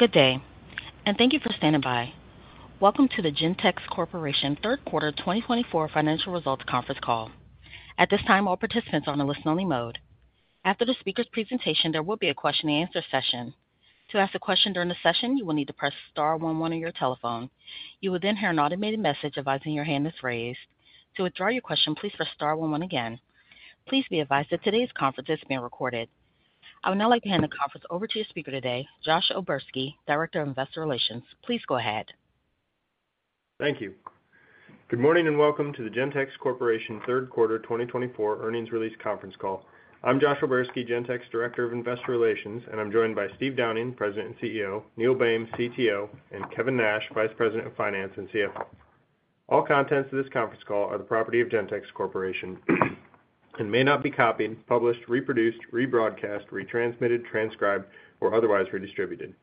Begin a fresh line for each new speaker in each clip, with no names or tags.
Good day, and thank you for standing by. Welcome to the Gentex Corporation third quarter 2024 financial results conference call. At this time, all participants are on a listen-only mode. After the speaker's presentation, there will be a question-and-answer session. To ask a question during the session, you will need to press star one one on your telephone. You will then hear an automated message advising your hand is raised. To withdraw your question, please press star one one again. Please be advised that today's conference is being recorded. I would now like to hand the conference over to your speaker today, Josh Oborski, Director of Investor Relations. Please go ahead.
Thank you. Good morning, and welcome to the Gentex Corporation third quarter 2024 earnings release conference call. I'm Josh Oborski, Gentex, Director of Investor Relations, and I'm joined by Steve Downing, President and CEO, Neil Boehm, CTO, and Kevin Nash, Vice President of Finance and CFO. All contents of this conference call are the property of Gentex Corporation and may not be copied, published, reproduced, rebroadcast, retransmitted, transcribed, or otherwise redistributed.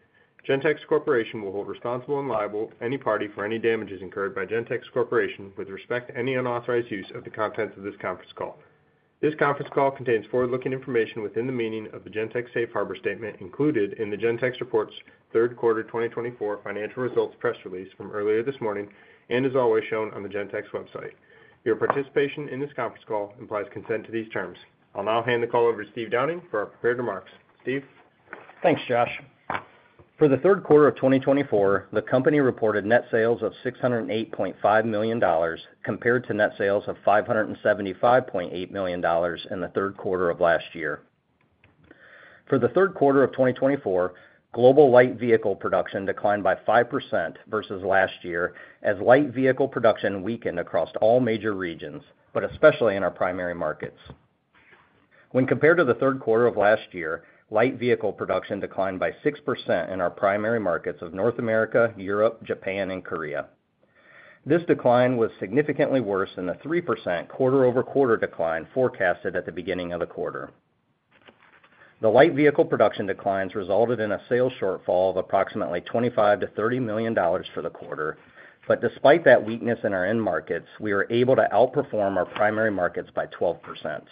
Gentex Corporation will hold responsible and liable any party for any damages incurred by Gentex Corporation with respect to any unauthorized use of the contents of this conference call. This conference call contains forward-looking information within the meaning of the Gentex safe harbor statement included in the Gentex reports' third quarter 2024 financial results press release from earlier this morning and is always shown on the Gentex website. Your participation in this conference call implies consent to these terms. I'll now hand the call over to Steve Downing for our prepared remarks. Steve?
Thanks, Josh. For the third quarter of 2024, the company reported net sales of $608.5 million, compared to net sales of $575.8 million in the third quarter of last year. For the third quarter of 2024, global light vehicle production declined by 5% versus last year, as light vehicle production weakened across all major regions, but especially in our primary markets. When compared to the third quarter of last year, light vehicle production declined by 6% in our primary markets of North America, Europe, Japan, and Korea. This decline was significantly worse than the 3% quarter-over-quarter decline forecasted at the beginning of the quarter. The light vehicle production declines resulted in a sales shortfall of approximately $25-$30 million for the quarter. But despite that weakness in our end markets, we were able to outperform our primary markets by 12%.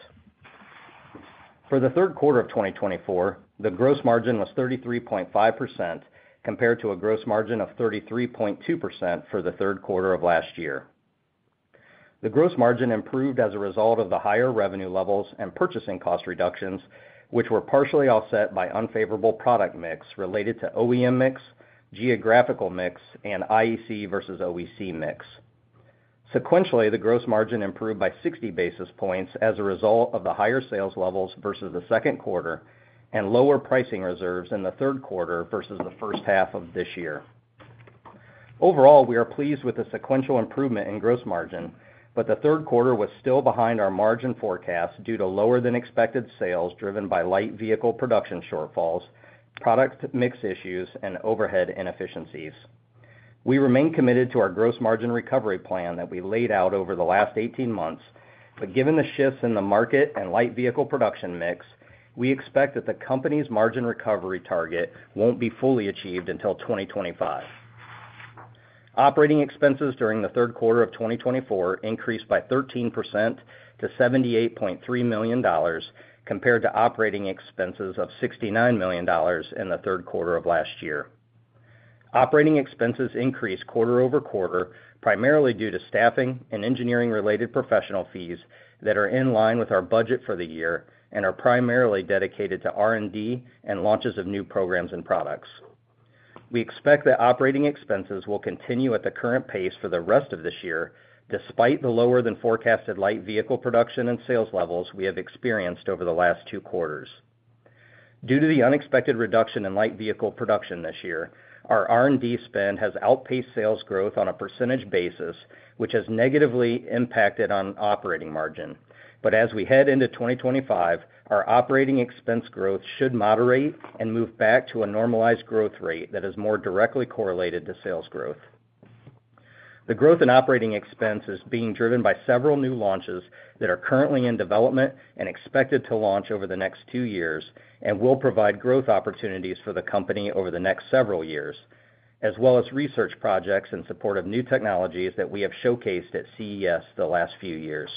For the third quarter of twenty twenty-four, the gross margin was 33.5%, compared to a gross margin of 33.2% for the third quarter of last year. The gross margin improved as a result of the higher revenue levels and purchasing cost reductions, which were partially offset by unfavorable product mix related to OEM mix, geographical mix, and IEC versus OEC mix. Sequentially, the gross margin improved by 60 basis points as a result of the higher sales levels versus the second quarter and lower pricing reserves in the third quarter versus the first half of this year. Overall, we are pleased with the sequential improvement in gross margin, but the third quarter was still behind our margin forecast due to lower-than-expected sales driven by light vehicle production shortfalls, product mix issues, and overhead inefficiencies. We remain committed to our gross margin recovery plan that we laid out over the last eighteen months, but given the shifts in the market and light vehicle production mix, we expect that the company's margin recovery target won't be fully achieved until twenty twenty-five. Operating expenses during the third quarter of twenty twenty-four increased by 13% to $78.3 million, compared to operating expenses of $69 million in the third quarter of last year. Operating expenses increased quarter over quarter, primarily due to staffing and engineering-related professional fees that are in line with our budget for the year and are primarily dedicated to R&D and launches of new programs and products. We expect that operating expenses will continue at the current pace for the rest of this year, despite the lower-than-forecasted light vehicle production and sales levels we have experienced over the last two quarters. Due to the unexpected reduction in light vehicle production this year, our R&D spend has outpaced sales growth on a percentage basis, which has negatively impacted on operating margin. But as we head into twenty twenty-five, our operating expense growth should moderate and move back to a normalized growth rate that is more directly correlated to sales growth. The growth in operating expense is being driven by several new launches that are currently in development and expected to launch over the next two years and will provide growth opportunities for the company over the next several years, as well as research projects in support of new technologies that we have showcased at CES the last few years.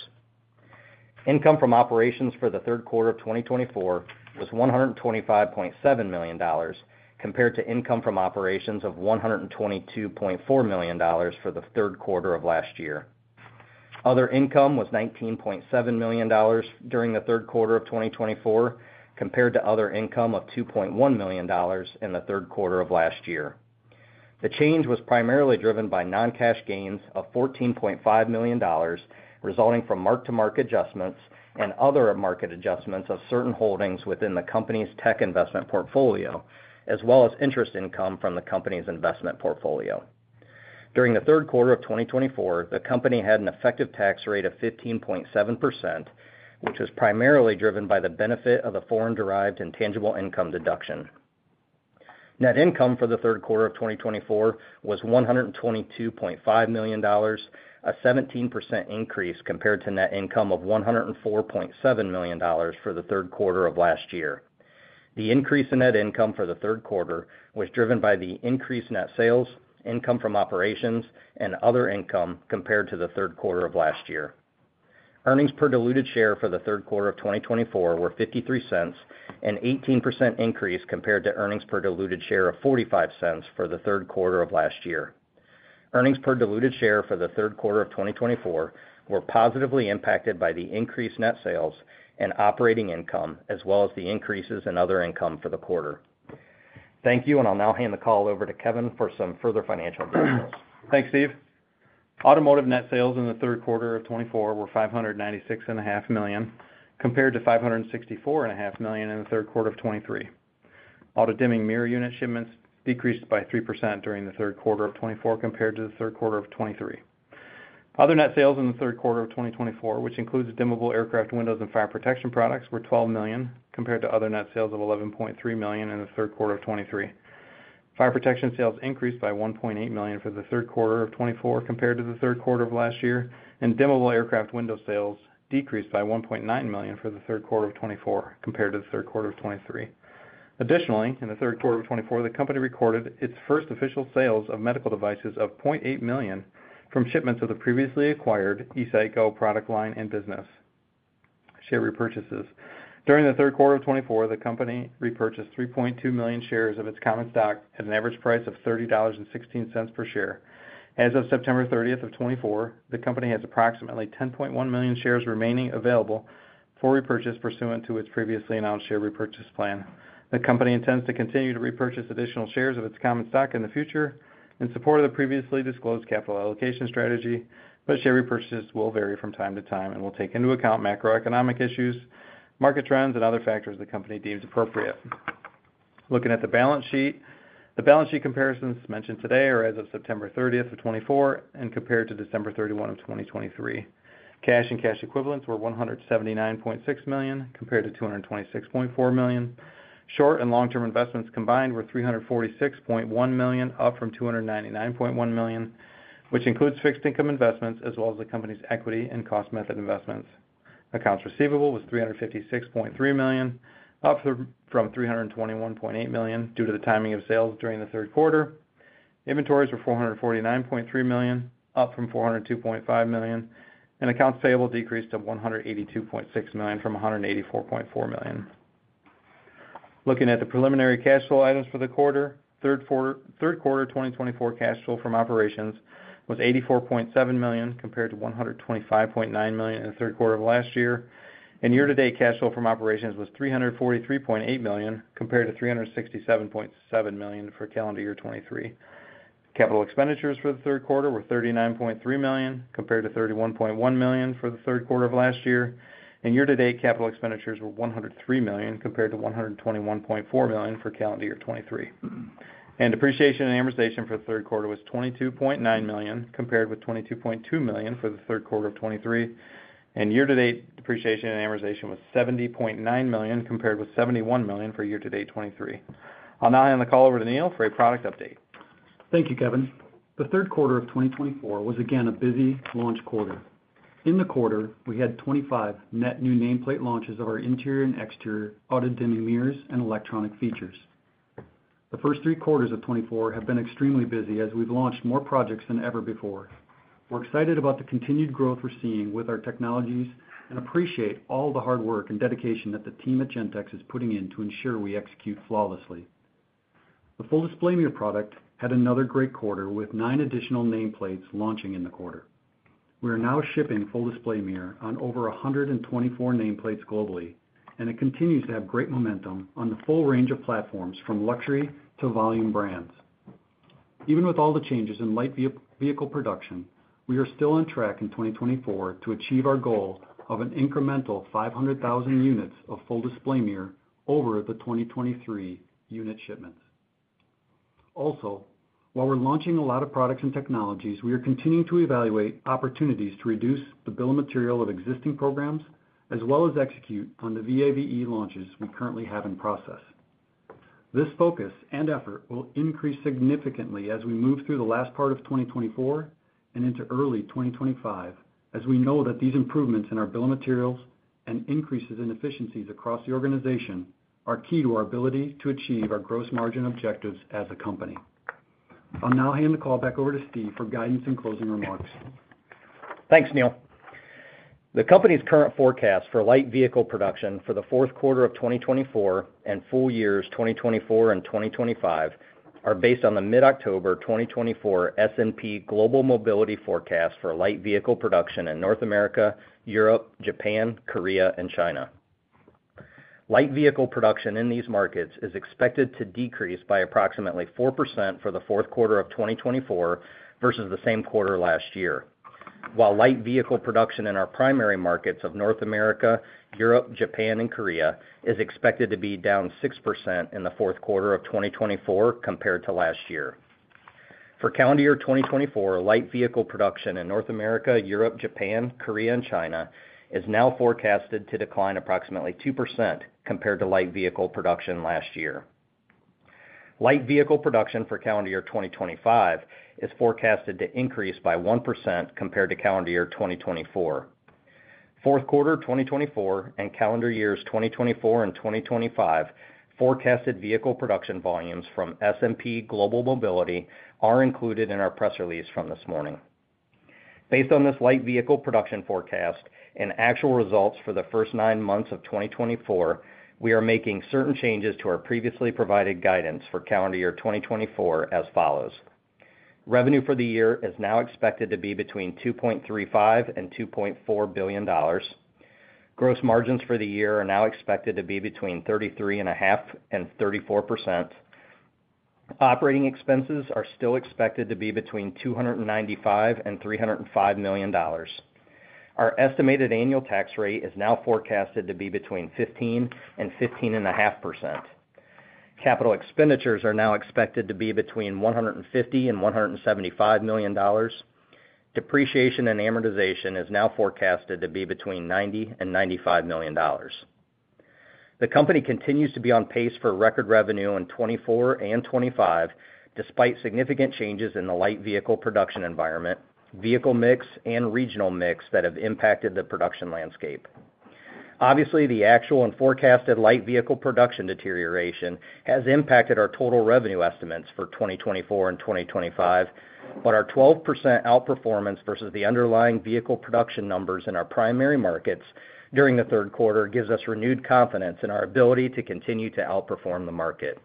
Income from operations for the third quarter of 2024 was $125.7 million, compared to income from operations of $122.4 million for the third quarter of last year. Other income was $19.7 million during the third quarter of 2024, compared to other income of $2.1 million in the third quarter of last year. The change was primarily driven by non-cash gains of $14.5 million, resulting from mark-to-market adjustments and other market adjustments of certain holdings within the company's tech investment portfolio, as well as interest income from the company's investment portfolio. During the third quarter of 2024, the company had an effective tax rate of 15.7%, which was primarily driven by the benefit of the foreign-derived intangible income deduction. Net income for the third quarter of 2024 was $122.5 million, a 17% increase compared to net income of $104.7 million for the third quarter of last year. The increase in net income for the third quarter was driven by the increased net sales, income from operations, and other income compared to the third quarter of last year.... Earnings per diluted share for the third quarter of 2024 were $0.53, an 18% increase compared to earnings per diluted share of $0.45 for the third quarter of last year. Earnings per diluted share for the third quarter of twenty twenty-four were positively impacted by the increased net sales and operating income, as well as the increases in other income for the quarter. Thank you, and I'll now hand the call over to Kevin for some further financial details.
Thanks, Steve. Automotive net sales in the third quarter of 2024 were $596.5 million, compared to $564.5 million in the third quarter of 2023. Auto dimming mirror unit shipments decreased by 3% during the third quarter of 2024 compared to the third quarter of 2023. Other net sales in the third quarter of 2024, which includes dimmable aircraft windows and fire protection products, were $12 million, compared to other net sales of $11.3 million in the third quarter of 2023. Fire protection sales increased by $1.8 million for the third quarter of 2024 compared to the third quarter of last year, and dimmable aircraft window sales decreased by $1.9 million for the third quarter of 2024 compared to the third quarter of 2023. Additionally, in the third quarter of 2024, the company recorded its first official sales of medical devices of $0.8 million from shipments of the previously acquired eSight Go product line and business. Share repurchases. During the third quarter of 2024, the company repurchased 3.2 million shares of its common stock at an average price of $30.16 per share. As of September thirtieth of 2024, the company has approximately 10.1 million shares remaining available for repurchase pursuant to its previously announced share repurchase plan. The company intends to continue to repurchase additional shares of its common stock in the future in support of the previously disclosed capital allocation strategy, but share repurchases will vary from time to time and will take into account macroeconomic issues, market trends, and other factors the company deems appropriate. Looking at the balance sheet, the balance sheet comparisons mentioned today are as of September 30, 2024 and compared to December 31, 2023. Cash and cash equivalents were $179.6 million, compared to $226.4 million. Short and long-term investments combined were $346.1 million, up from $299.1 million, which includes fixed income investments as well as the company's equity and cost method investments. Accounts receivable was $356.3 million, up from $321.8 million due to the timing of sales during the third quarter. Inventories were $449.3 million, up from $402.5 million, and accounts payable decreased to $182.6 million from $184.4 million. Looking at the preliminary cash flow items for the quarter, third quarter 2024 cash flow from operations was $84.7 million, compared to $125.9 million in the third quarter of last year, and year-to-date cash flow from operations was $343.8 million, compared to $367.7 million for calendar year 2023. Capital expenditures for the third quarter were $39.3 million, compared to $31.1 million for the third quarter of last year, and year-to-date capital expenditures were $103 million, compared to $121.4 million for calendar year 2023. And depreciation and amortization for the third quarter was $22.9 million, compared with $22.2 million for the third quarter of 2023, and year-to-date depreciation and amortization was $70.9 million, compared with $71 million for year-to-date 2023. I'll now hand the call over to Neil for a product update.
Thank you, Kevin. The third quarter of 2024 was again a busy launch quarter. In the quarter, we had 25 net new nameplate launches of our interior and exterior auto-dimming mirrors and electronic features. The first three quarters of 2024 have been extremely busy, as we've launched more projects than ever before. We're excited about the continued growth we're seeing with our technologies and appreciate all the hard work and dedication that the team at Gentex is putting in to ensure we execute flawlessly. The Full Display Mirror product had another great quarter, with 9 additional nameplates launching in the quarter. We are now shipping Full Display Mirror on over 124 nameplates globally, and it continues to have great momentum on the full range of platforms, from luxury to volume brands. Even with all the changes in light vehicle production, we are still on track in 2024 to achieve our goal of an incremental 500,000 units of Full Display Mirror over the 2023 unit shipments. Also, while we're launching a lot of products and technologies, we are continuing to evaluate opportunities to reduce the bill of material of existing programs, as well as execute on the VAVE launches we currently have in process. This focus and effort will increase significantly as we move through the last part of 2024 and into early 2025, as we know that these improvements in our bill of materials and increases in efficiencies across the organization are key to our ability to achieve our gross margin objectives as a company. I'll now hand the call back over to Steve for guidance and closing remarks.
Thanks, Neil. The company's current forecast for light vehicle production for the fourth quarter of 2024 and full years 2024 and 2025 are based on the mid-October 2024 S&P Global Mobility Forecast for light vehicle production in North America, Europe, Japan, Korea, and China. Light vehicle production in these markets is expected to decrease by approximately 4% for the fourth quarter of 2024 versus the same quarter last year. While light vehicle production in our primary markets of North America, Europe, Japan, and Korea is expected to be down 6% in the fourth quarter of 2024 compared to last year. For calendar year 2024, light vehicle production in North America, Europe, Japan, Korea, and China is now forecasted to decline approximately 2% compared to light vehicle production last year. Light vehicle production for calendar year 2025 is forecasted to increase by 1% compared to calendar year 2024. Fourth quarter 2024 and calendar years 2024 and 2025 forecasted vehicle production volumes from S&P Global Mobility are included in our press release from this morning. Based on this light vehicle production forecast and actual results for the first nine months of 2024, we are making certain changes to our previously provided guidance for calendar year 2024 as follows: Revenue for the year is now expected to be between $2.35 and $2.4 billion. Gross margins for the year are now expected to be between 33.5% and 34%. Operating expenses are still expected to be between $295 and $305 million. Our estimated annual tax rate is now forecasted to be between 15% and 15.5%. Capital expenditures are now expected to be between $150 million and $175 million. Depreciation and amortization is now forecasted to be between $90 million and $95 million. The company continues to be on pace for record revenue in 2024 and 2025, despite significant changes in the light vehicle production environment, vehicle mix, and regional mix that have impacted the production landscape. Obviously, the actual and forecasted light vehicle production deterioration has impacted our total revenue estimates for 2024 and 2025, but our 12% outperformance versus the underlying vehicle production numbers in our primary markets during the third quarter gives us renewed confidence in our ability to continue to outperform the market.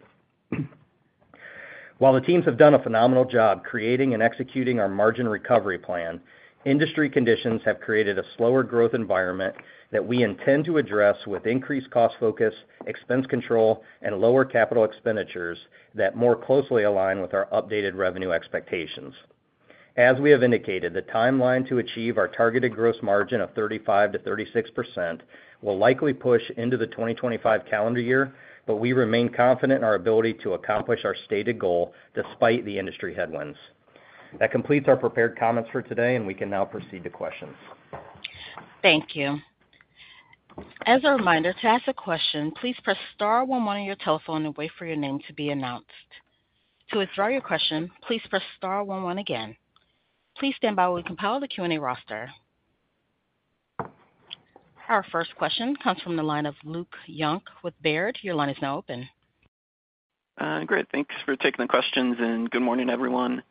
While the teams have done a phenomenal job creating and executing our margin recovery plan, industry conditions have created a slower growth environment that we intend to address with increased cost focus, expense control, and lower capital expenditures that more closely align with our updated revenue expectations. As we have indicated, the timeline to achieve our targeted gross margin of 35%-36% will likely push into the 2025 calendar year, but we remain confident in our ability to accomplish our stated goal despite the industry headwinds. That completes our prepared comments for today, and we can now proceed to questions.
Thank you. As a reminder, to ask a question, please press star one one on your telephone and wait for your name to be announced. To withdraw your question, please press star one one again. Please stand by while we compile the Q&A roster. Our first question comes from the line of Luke Junk with Baird. Your line is now open.
Great. Thanks for taking the questions, and good morning, everyone.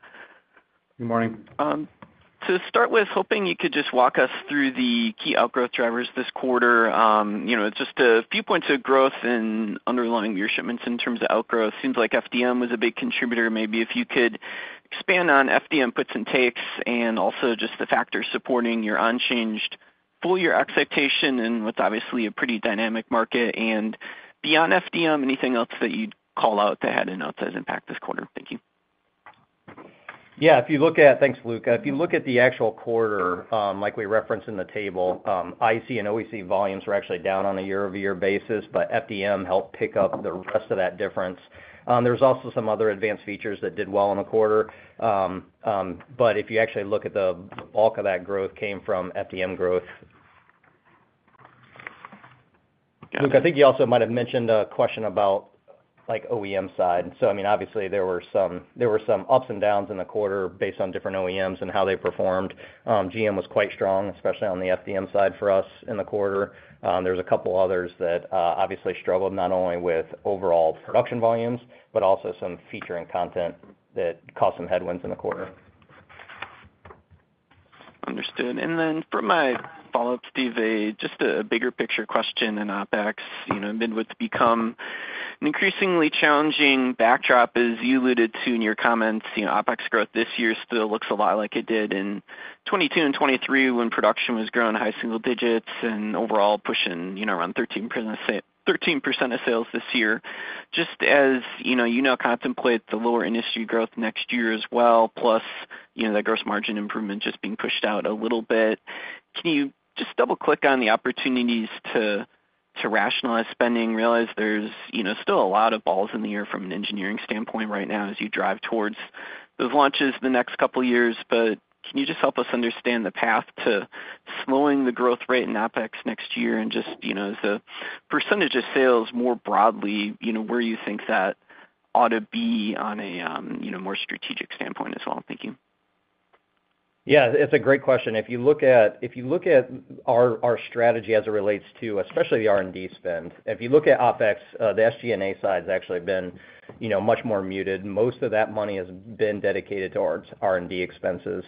Good morning.
To start with, hoping you could just walk us through the key outgrowth drivers this quarter. You know, just a few points of growth and underlying your shipments in terms of outgrowth. Seems like FDM was a big contributor. Maybe if you could expand on FDM puts and takes, and also just the factors supporting your unchanged full year expectation, and with, obviously, a pretty dynamic market. And beyond FDM, anything else that you'd call out that had an outsized impact this quarter? Thank you.
Yeah, if you look at-- Thanks, Luke. If you look at the actual quarter, like we referenced in the table, IEC and OEC volumes were actually down on a year-over-year basis, but FDM helped pick up the rest of that difference. There was also some other advanced features that did well in the quarter. But if you actually look at the bulk of that growth came from FDM growth.
Got it.
Luke, I think you also might have mentioned a question about, like, OEM side. So I mean, obviously, there were some ups and downs in the quarter based on different OEMs and how they performed. GM was quite strong, especially on the FDM side for us in the quarter. There was a couple others that obviously struggled, not only with overall production volumes, but also some feature and content that caused some headwinds in the quarter.
Understood. And then for my follow-up, Steve, just a bigger picture question in OpEx. You know, macro has become an increasingly challenging backdrop, as you alluded to in your comments. You know, OpEx growth this year still looks a lot like it did in 2022 and 2023, when production was growing high single digits and overall pushing, you know, around 13%, 13% of sales this year. Just as, you know, you now contemplate the lower industry growth next year as well, plus, you know, the gross margin improvement just being pushed out a little bit, can you just double-click on the opportunities to, to rationalize spending? Realize there's, you know, still a lot of balls in the air from an engineering standpoint right now, as you drive towards those launches the next couple of years. But can you just help us understand the path to slowing the growth rate in OpEx next year and just, you know, as a percentage of sales more broadly, you know, where you think that ought to be on a, you know, more strategic standpoint as well? Thank you.
Yeah, it's a great question. If you look at our strategy as it relates to, especially the R&D spend, if you look at OpEx, the SG&A side has actually been, you know, much more muted. Most of that money has been dedicated towards R&D expenses.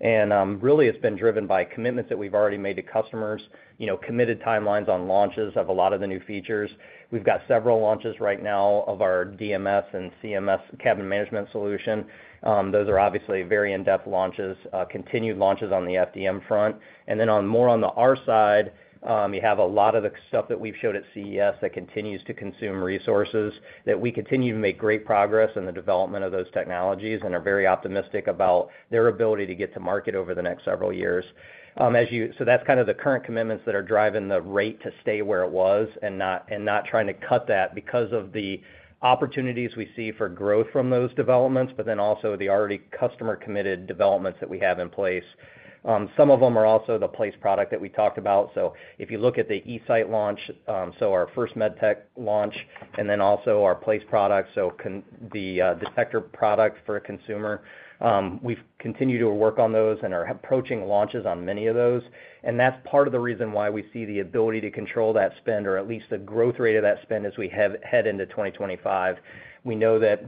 And, really, it's been driven by commitments that we've already made to customers, you know, committed timelines on launches of a lot of the new features. We've got several launches right now of our DMS and CMS cabin management solution. Those are obviously very in-depth launches, continued launches on the FDM front. And then on more on the R side, you have a lot of the stuff that we've showed at CES that continues to consume resources, that we continue to make great progress in the development of those technologies and are very optimistic about their ability to get to market over the next several years. So that's kind of the current commitments that are driving the rate to stay where it was and not trying to cut that because of the opportunities we see for growth from those developments, but then also the already customer-committed developments that we have in place. Some of them are also the Place product that we talked about. If you look at the eSight launch, our first med tech launch, and then also our Place product, the detector product for a consumer, we've continued to work on those and are approaching launches on many of those. That's part of the reason why we see the ability to control that spend, or at least the growth rate of that spend, as we head into 2025. We know that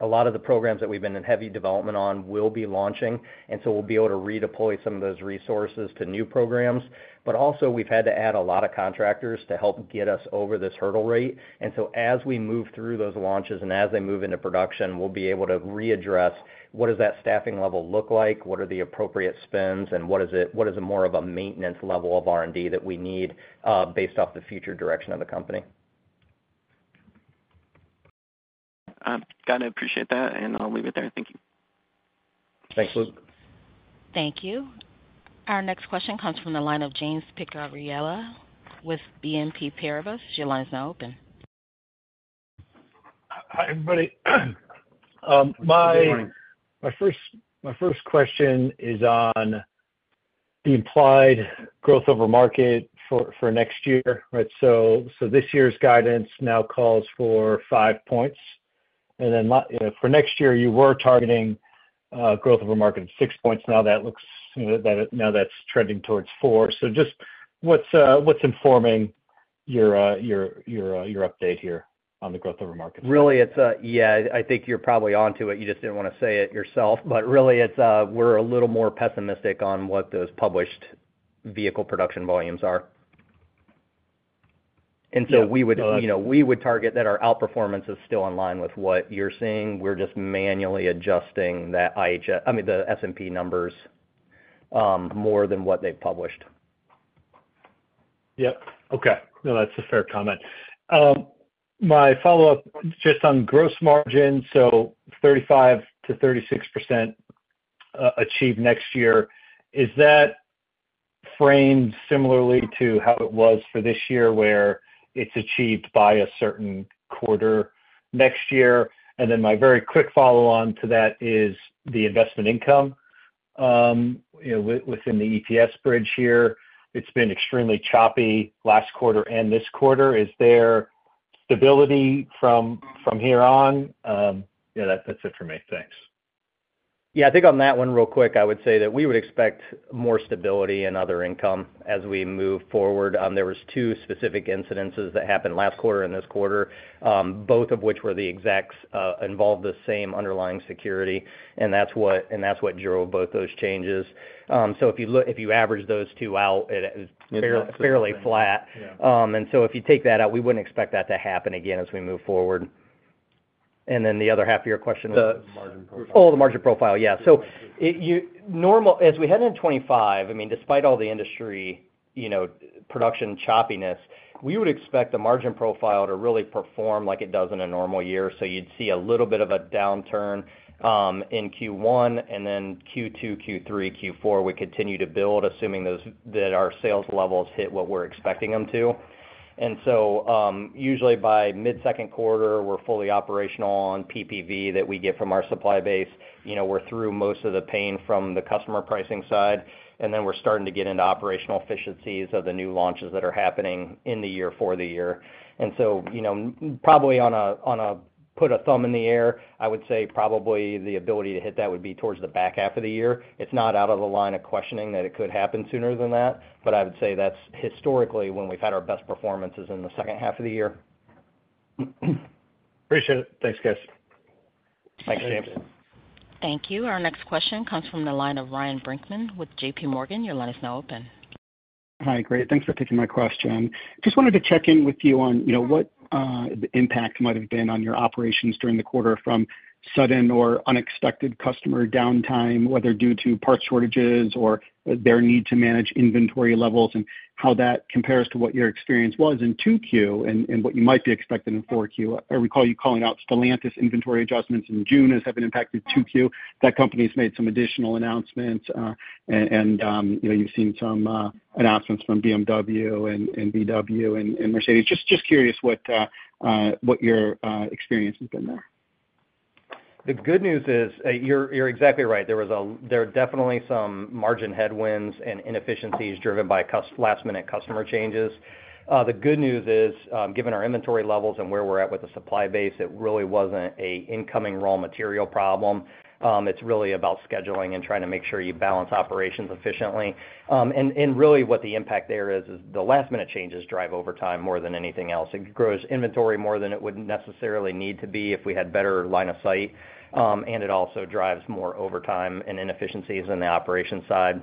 a lot of the programs that we've been in heavy development on will be launching, and so we'll be able to redeploy some of those resources to new programs. But also, we've had to add a lot of contractors to help get us over this hurdle rate. And so as we move through those launches and as they move into production, we'll be able to readdress what does that staffing level look like, what are the appropriate spends, and what is a more of a maintenance level of R&D that we need, based off the future direction of the company?
Got it. Appreciate that, and I'll leave it there. Thank you.
Thanks, Luke.
Thank you. Our next question comes from the line of James Picariello with BNP Paribas. Your line is now open.
Hi, everybody.
Good morning.
My first question is on the implied growth over market for next year. Right, so this year's guidance now calls for five points, and then for next year, you were targeting growth over market of six points. Now that looks, you know, that now that's trending towards four, so just what's informing your update here on the growth over market?
Really, it's. Yeah, I think you're probably onto it. You just didn't wanna say it yourself. But really, it's, we're a little more pessimistic on what those published vehicle production volumes are. And so we would-
Yeah, uh-
You know, we would target that our outperformance is still in line with what you're seeing. We're just manually adjusting that I mean, the S&P numbers, more than what they've published.
Yep. Okay. No, that's a fair comment. My follow-up, just on gross margin, so 35%-36% achieved next year. Is that framed similarly to how it was for this year, where it's achieved by a certain quarter next year? And then my very quick follow-on to that is the investment income. You know, within the ETS bridge here, it's been extremely choppy last quarter and this quarter. Is there stability from here on? Yeah, that's it for me. Thanks.
Yeah, I think on that one, real quick, I would say that we would expect more stability in other income as we move forward. There was two specific incidences that happened last quarter and this quarter, both of which were the execs involved the same underlying security, and that's what drove both those changes. So if you average those two out, it is-
It's-
Fairly, fairly flat.
Yeah.
And so if you take that out, we wouldn't expect that to happen again as we move forward. And then the other half of your question was?
The margin profile.
Oh, the margin profile. Yeah. As we head into 2025, I mean, despite all the industry, you know, production choppiness, we would expect the margin profile to really perform like it does in a normal year. So you'd see a little bit of a downturn in Q1, and then Q2, Q3, Q4, we continue to build, assuming those, that our sales levels hit what we're expecting them to. And so, usually by mid-second quarter, we're fully operational on PPV that we get from our supply base. You know, we're through most of the pain from the customer pricing side, and then we're starting to get into operational efficiencies of the new launches that are happening in the year for the year. So, you know, probably on a put a thumb in the air, I would say probably the ability to hit that would be towards the back half of the year. It's not out of the question that it could happen sooner than that, but I would say that's historically when we've had our best performances in the second half of the year.
Appreciate it. Thanks, guys.
Thanks, James.
Thank you. Our next question comes from the line of Ryan Brinkman with J.P. Morgan. Your line is now open.
Hi. Great. Thanks for taking my question. Just wanted to check in with you on, you know, what the impact might have been on your operations during the quarter from sudden or unexpected customer downtime, whether due to part shortages or their need to manage inventory levels, and how that compares to what your experience was in Q2 and what you might be expecting in Q4. I recall you calling out Stellantis inventory adjustments in June as having impacted Q2. That company's made some additional announcements, and you know, you've seen some announcements from BMW and VW and Mercedes. Just curious what your experience has been there.
The good news is, you're exactly right. There are definitely some margin headwinds and inefficiencies driven by last-minute customer changes. The good news is, given our inventory levels and where we're at with the supply base, it really wasn't an incoming raw material problem. It's really about scheduling and trying to make sure you balance operations efficiently. And really, what the impact there is, is the last-minute changes drive overtime more than anything else. It grows inventory more than it would necessarily need to be if we had better line of sight, and it also drives more overtime and inefficiencies in the operation side.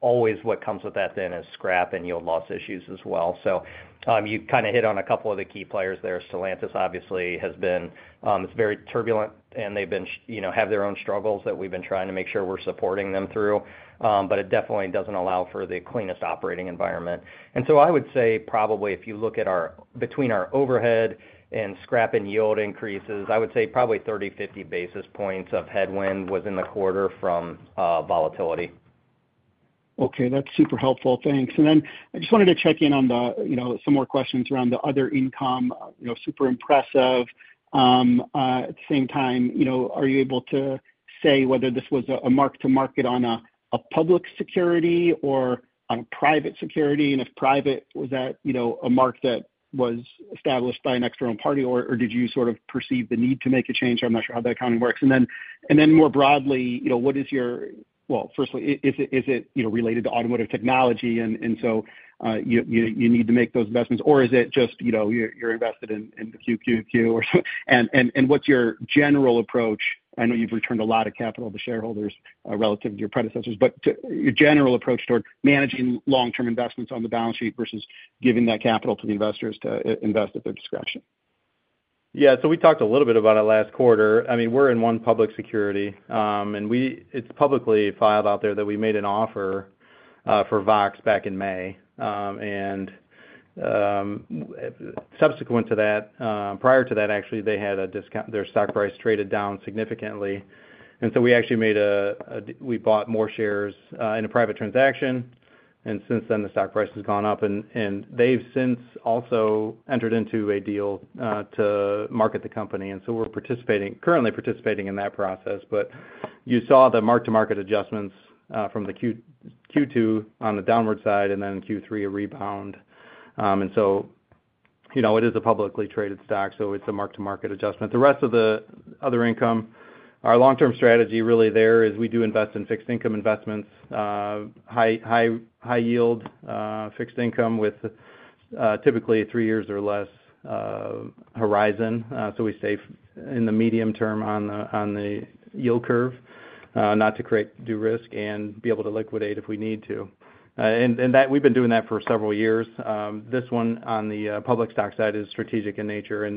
Always what comes with that then is scrap and yield loss issues as well. So, you've kind of hit on a couple of the key players there. Stellantis obviously has been. It's very turbulent, and they've been, you know, have their own struggles that we've been trying to make sure we're supporting them through, but it definitely doesn't allow for the cleanest operating environment. So I would say probably, if you look at between our overhead and scrap and yield increases, I would say probably 30-50 basis points of headwind was in the quarter from volatility.
Okay, that's super helpful. Thanks. And then I just wanted to check in on the, you know, some more questions around the other income. You know, super impressive. At the same time, you know, are you able to say whether this was a mark-to-market on a public security or on a private security? And if private, was that, you know, a mark that was established by an external party, or did you sort of perceive the need to make a change? I'm not sure how that accounting works. And then more broadly, you know, what is your well, firstly, is it, you know, related to automotive technology, and so you need to make those investments? Or is it just, you know, you're invested in the QQQ or so, and what's your general approach? I know you've returned a lot of capital to shareholders relative to your predecessors, but to your general approach toward managing long-term investments on the balance sheet versus giving that capital to the investors to invest at their discretion.
Yeah, so we talked a little bit about it last quarter. I mean, we're in one public security, and it's publicly filed out there that we made an offer for VOXX back in May. And, subsequent to that, prior to that, actually, they had a discount. Their stock price traded down significantly, and so we actually made a, we bought more shares in a private transaction, and since then, the stock price has gone up, and they've since also entered into a deal to market the company. And so we're currently participating in that process. But you saw the mark-to-market adjustments from the Q2 on the downward side, and then in Q3, a rebound. And so, you know, it is a publicly traded stock, so it's a mark-to-market adjustment. The rest of the other income, our long-term strategy really there is we do invest in fixed income investments, high yield fixed income with typically three years or less horizon. So we stay in the medium term on the yield curve, not to create duration risk and be able to liquidate if we need to. We've been doing that for several years. This one on the public stock side is strategic in nature.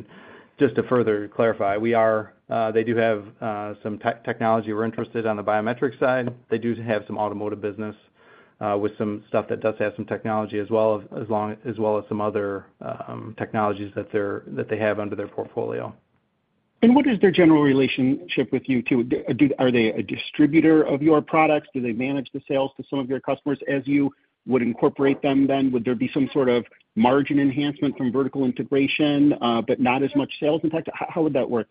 Just to further clarify, they do have some technology we're interested in on the biometric side. They do have some automotive business with some stuff that does have some technology as well as some other technologies that they have under their portfolio.
And what is their general relationship with you, too? Do, are they a distributor of your products? Do they manage the sales to some of your customers as you would incorporate them then? Would there be some sort of margin enhancement from vertical integration, but not as much sales impact? How would that work?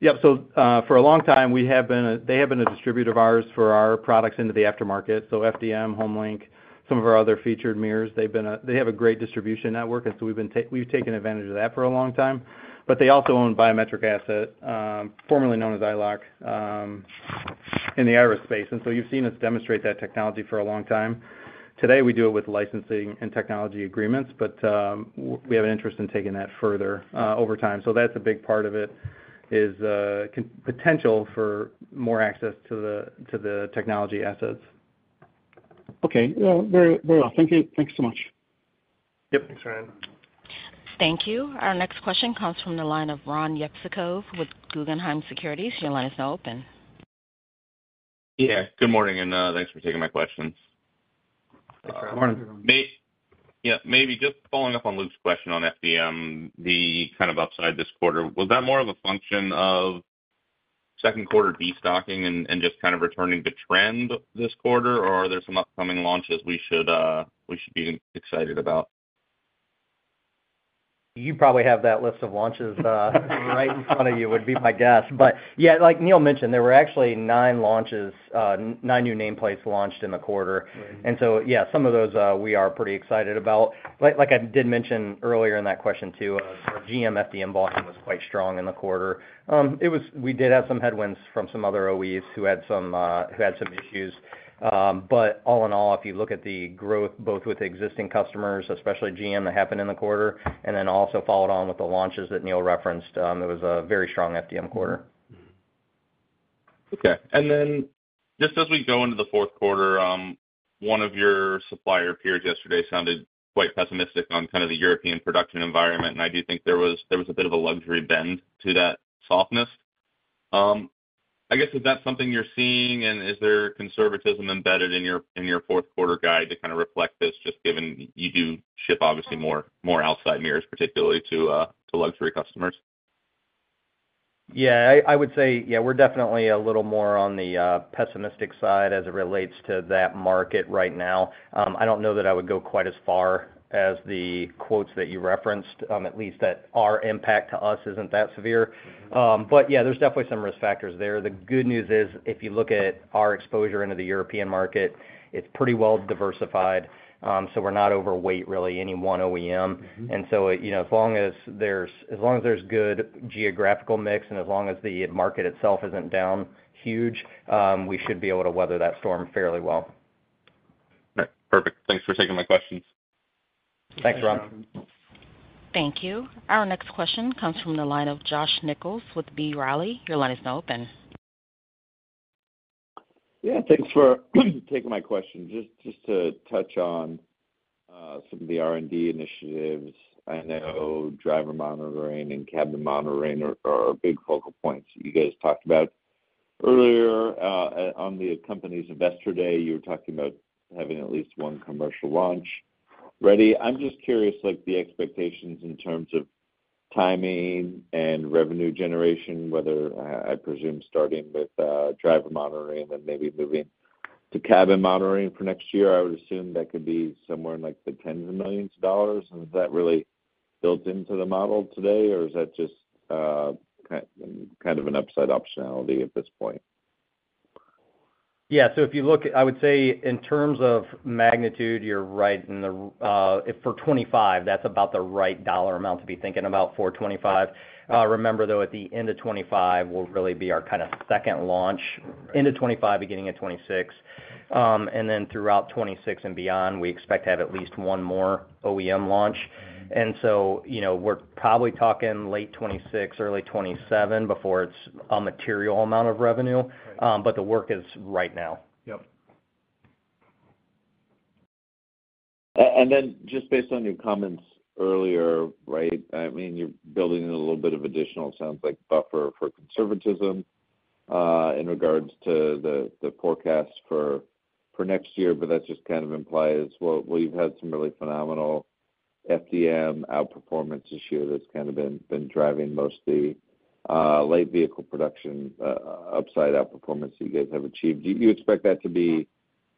Yep. So, for a long time, we have been a, they have been a distributor of ours for our products into the aftermarket, so FDM, HomeLink, some of our other featured mirrors. They've been a... They have a great distribution network, and so we've been take- we've taken advantage of that for a long time. But they also own biometric asset, formerly known as EyeLock, in the aerospace. And so you've seen us demonstrate that technology for a long time. Today, we do it with licensing and technology agreements, but, w- we have an interest in taking that further, over time. So that's a big part of it, is, con- potential for more access to the, to the technology assets.
Okay. Well, very, very well. Thank you. Thank you so much.
Yep.
Thanks, Ryan.
Thank you. Our next question comes from the line of Ron Jewsikow with Guggenheim Securities. Your line is now open.
Yeah. Good morning, and, thanks for taking my questions.
Good morning.
Yeah, maybe just following up on Luke's question on FDM, the kind of upside this quarter. Was that more of a function of second quarter destocking and just kind of returning to trend this quarter, or are there some upcoming launches we should be excited about?
You probably have that list of launches, right in front of you, would be my guess. But yeah, like Neil mentioned, there were actually nine launches, nine new nameplates launched in the quarter.
Right.
And so, yeah, some of those we are pretty excited about. Like I did mention earlier in that question, too, GM FDM volume was quite strong in the quarter. It was. We did have some headwinds from some other OEs who had some issues. But all in all, if you look at the growth both with existing customers, especially GM, that happened in the quarter, and then also followed on with the launches that Neil referenced, it was a very strong FDM quarter.
Mm-hmm. Okay. And then, just as we go into the fourth quarter, one of your supplier peers yesterday sounded quite pessimistic on kind of the European production environment, and I do think there was a bit of a luxury bend to that softness. I guess, is that something you're seeing, and is there conservatism embedded in your fourth quarter guide to kind of reflect this, just given you do ship obviously more outside mirrors, particularly to luxury customers?
Yeah, I would say, yeah, we're definitely a little more on the pessimistic side as it relates to that market right now. I don't know that I would go quite as far as the quotes that you referenced. At least that our impact to us isn't that severe. But yeah, there's definitely some risk factors there. The good news is, if you look at our exposure into the European market, it's pretty well diversified. So we're not overweight, really, any one OEM.
Mm-hmm.
You know, as long as there's good geographical mix and as long as the market itself isn't down huge, we should be able to weather that storm fairly well.
All right. Perfect. Thanks for taking my questions.
Thanks, Ron.
Thanks, Ron.
Thank you. Our next question comes from the line of Josh Nichols with B. Riley. Your line is now open.
Yeah, thanks for taking my question. Just to touch on some of the R&D initiatives. I know driver monitoring and cabin monitoring are big focal points you guys talked about earlier. On the company's Investor Day, you were talking about having at least one commercial launch ready. I'm just curious, like, the expectations in terms of timing and revenue generation, whether I presume starting with driver monitoring and then maybe moving to cabin monitoring for next year. I would assume that could be somewhere in, like, the tens of millions of dollars, and is that really built into the model today, or is that just kind of an upside optionality at this point? ...
Yeah, so if you look, I would say in terms of magnitude, you're right in the, for 2025, that's about the right dollar amount to be thinking about for 2025. Remember, though, at the end of 2025 will really be our kind of second launch. End of 2025, beginning of 2026. And then throughout 2026 and beyond, we expect to have at least one more OEM launch. And so, you know, we're probably talking late 2026, early 2027 before it's a material amount of revenue.
Right.
but the work is right now.
Yep. And then just based on your comments earlier, right? I mean, you're building in a little bit of additional, sounds like buffer for conservatism, in regards to the forecast for next year, but that just kind of implies, well, you've had some really phenomenal FDM outperformance this year that's kind of been driving most of the light vehicle production upside outperformance you guys have achieved. Do you expect that to be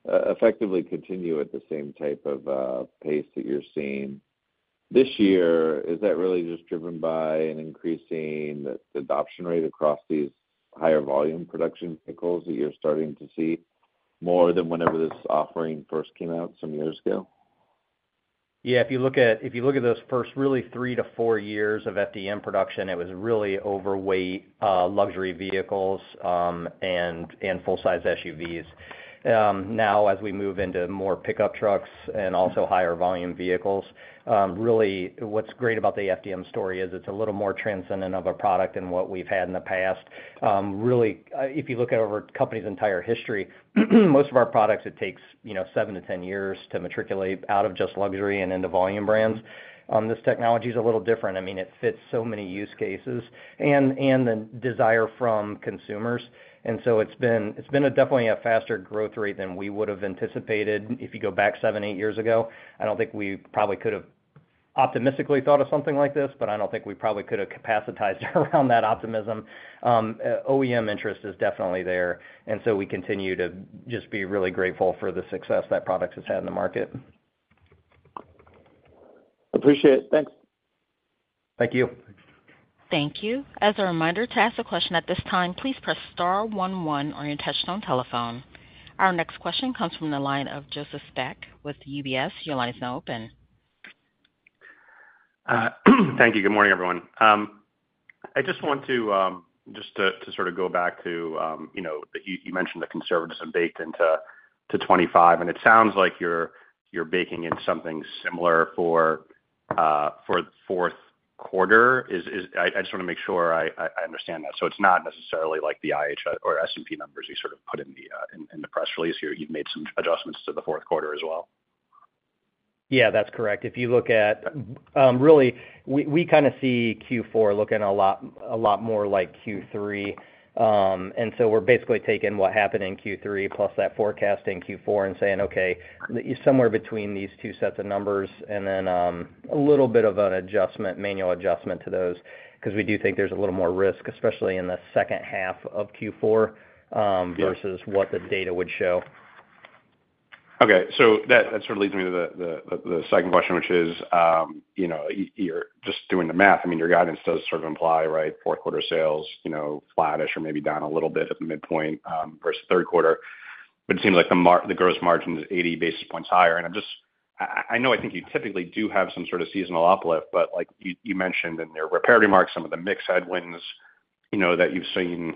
effectively continue at the same type of pace that you're seeing this year? Is that really just driven by an increasing adoption rate across these higher volume production vehicles that you're starting to see, more than whenever this offering first came out some years ago?
Yeah, if you look at those first really three to four years of FDM production, it was really overweight luxury vehicles, and full-size SUVs. Now, as we move into more pickup trucks and also higher volume vehicles, really, what's great about the FDM story is it's a little more transcendent of a product than what we've had in the past. Really, if you look at our company's entire history, most of our products, it takes, you know, seven to ten years to matriculate out of just luxury and into volume brands. This technology is a little different. I mean, it fits so many use cases and the desire from consumers. And so it's been a definitely a faster growth rate than we would have anticipated. If you go back seven, eight years ago, I don't think we probably could have optimistically thought of something like this, but I don't think we probably could have capacitized around that optimism. OEM interest is definitely there, and so we continue to just be really grateful for the success that product has had in the market.
Appreciate it. Thanks.
Thank you.
Thank you. As a reminder, to ask a question at this time, please press star one one on your touchtone telephone. Our next question comes from the line of Joseph Spak with UBS. Your line is now open.
Thank you. Good morning, everyone. I just want to sort of go back to you know that you mentioned the conservatism baked into 2025, and it sounds like you're baking in something similar for the fourth quarter. Is I just wanna make sure I understand that. So it's not necessarily like the IHS or S&P numbers you sort of put in the press release here. You've made some adjustments to the fourth quarter as well?
Yeah, that's correct. If you look at... really, we kind of see Q4 looking a lot more like Q3. And so we're basically taking what happened in Q3, plus that forecast in Q4 and saying, okay, somewhere between these two sets of numbers, and then a little bit of an adjustment, manual adjustment to those, because we do think there's a little more risk, especially in the second half of Q4.
Yeah...
versus what the data would show.
Okay. So that sort of leads me to the second question, which is, you know, you're just doing the math. I mean, your guidance does sort of imply, right, fourth quarter sales, you know, flattish or maybe down a little bit at the midpoint, versus third quarter. But it seems like the gross margin is 80 basis points higher. And I'm just. I know, I think you typically do have some sort of seasonal uplift, but like you mentioned in your prepared remarks, some of the mix headwinds, you know, that you've seen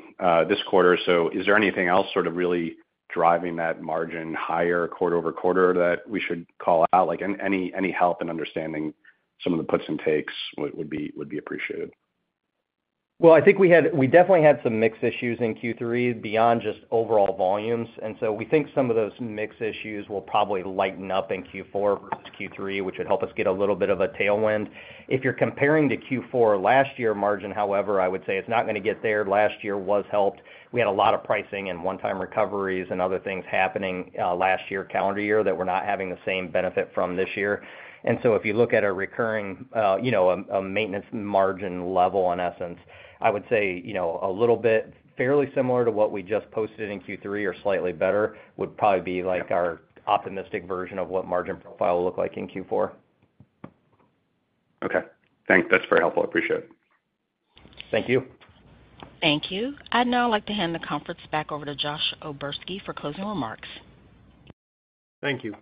this quarter. So is there anything else sort of really driving that margin higher quarter over quarter that we should call out? Like, any help in understanding some of the puts and takes would be appreciated.
I think we definitely had some mix issues in Q3 beyond just overall volumes, and so we think some of those mix issues will probably lighten up in Q4 versus Q3, which would help us get a little bit of a tailwind. If you're comparing to Q4 last year margin, however, I would say it's not gonna get there. Last year was helped. We had a lot of pricing and one-time recoveries and other things happening last year, calendar year, that we're not having the same benefit from this year, so if you look at a recurring, a maintenance margin level, in essence, I would say, you know, a little bit fairly similar to what we just posted in Q3 or slightly better, would probably be like our optimistic version of what margin profile will look like in Q4.
Okay. That's very helpful. I appreciate it.
Thank you.
Thank you. I'd now like to hand the conference back over to Josh O'Berski for closing remarks.
Thank you.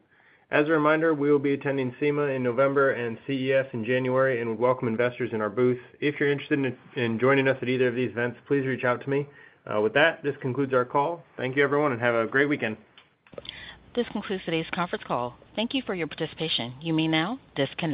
As a reminder, we will be attending SEMA in November and CES in January, and we welcome investors in our booth. If you're interested in joining us at either of these events, please reach out to me. With that, this concludes our call. Thank you, everyone, and have a great weekend.
This concludes today's conference call. Thank you for your participation. You may now disconnect.